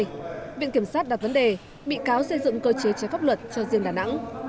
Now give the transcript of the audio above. vì vậy viện kiểm sát đặt vấn đề bị cáo xây dựng cơ chế trái pháp luật cho riêng đà nẵng